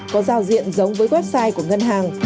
có giao diện giống với website của ngân hàng